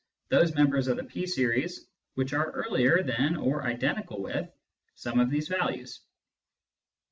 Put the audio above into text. those members of the P series which are earlier than or identical with some of these values.